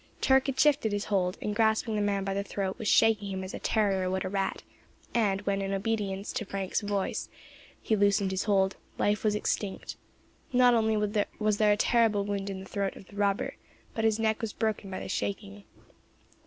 Turk had shifted his hold, and, grasping the man by the throat, was shaking him as a terrier would a rat; and when, in obedience to Frank's voice, he loosened his hold, life was extinct. Not only was there a terrible wound in the throat of the robber, but his neck was broken by the shaking.